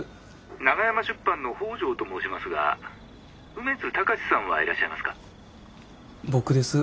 ☎長山出版の北條と申しますが梅津貴司さんはいらっしゃいますか？